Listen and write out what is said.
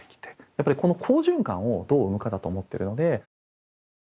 やっぱりこの好循環をどう生むかだと思ってるので。